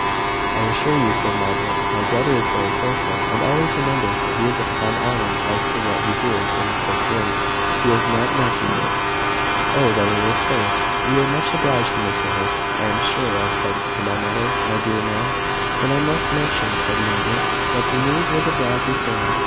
"I assure you," said Margaret, "my brother is very careful, and always remembers that he is upon honour as to what he hears in a sick room. He has not mentioned it." "Oh! then it is safe. We are much obliged to Mr Hope, I am sure. I said to my mother `My dear ma'am,' " "But I must mention," said Margaret, "that the news was abroad before...